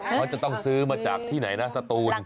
เขาจะต้องซื้อมาจากที่ไหนนะสตูน